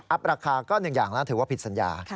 อับราคาก็หนึ่งอย่างน่าถือว่าผิดสัญญา